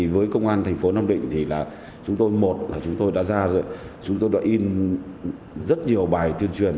với công an tp nam định chúng tôi đã in rất nhiều bài tiên truyền